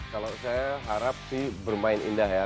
kalau saya harap sih bermain indah ya